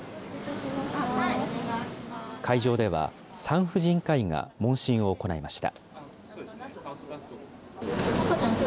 会場では、産婦人科医が問診を行いました。